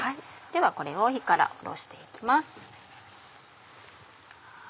ではこれを火から下ろして行きます。